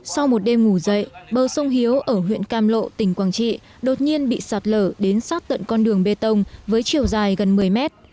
sau một đêm ngủ dậy bờ sông hiếu ở huyện cam lộ tỉnh quảng trị đột nhiên bị sạt lở đến sát tận con đường bê tông với chiều dài gần một mươi mét